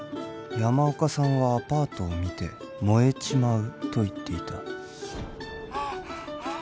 山岡さんはアパートを見て「燃えちまう」と言っていたああああ